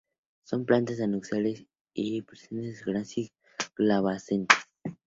Son plantas anuales, laxamente pubescente-glandulosas o glabrescentes.